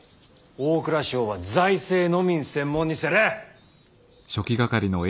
大蔵省は財政のみん専門にせれ！